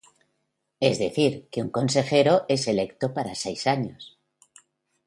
Es decir, que un consejero es electo para seis años.